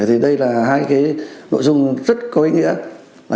thì đây là hai cái nội dung rất có ý nghĩa